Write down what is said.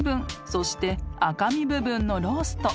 ［そして赤身部分のロースト］